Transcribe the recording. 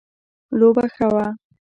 لوبه ښه وه